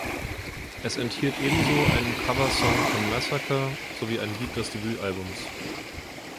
Es enthielt ebenso einen Coversong von Massacre sowie ein Lied des Debütalbums.